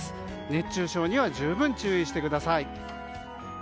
熱中症には十分注意してください。